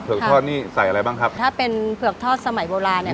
ทอดนี่ใส่อะไรบ้างครับถ้าเป็นเผือกทอดสมัยโบราณเนี้ย